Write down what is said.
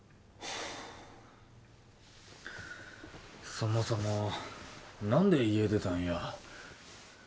そもそも何で家出たんや？